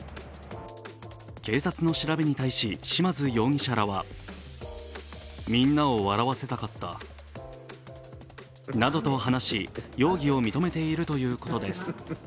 警察の調べに対し、嶋津容疑者らはなどと話し、容疑を認めているということです。